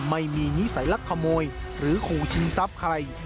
ไม่มีนิสัยลักขโมยหรือขู่ชีซับใคร